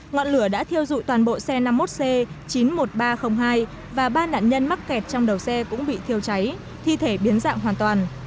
ngọn lửa đã thiêu dụi toàn bộ xe năm mươi một c chín mươi một nghìn ba trăm linh hai và ba nạn nhân mắc kẹt trong đầu xe cũng bị thiêu cháy thi thể biến dạng hoàn toàn